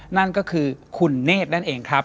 นั่นก็คือคุณเนธนั่นเองครับ